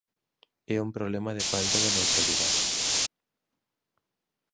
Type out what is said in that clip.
É un problema de falta de neutralidade.